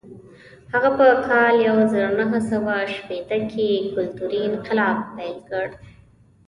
هغه په کال یو زر نهه سوه شپېته کې یو کلتوري انقلاب پیل کړ.